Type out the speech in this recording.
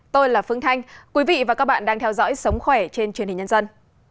tôi là phương thanh quý vị và các bạn đang theo dõi sống khỏe trên truyền hình nhân dân